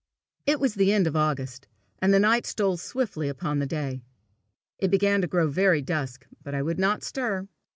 It was the end of August, and the night stole swiftly upon the day. It began to grow very dusk, but I would not stir.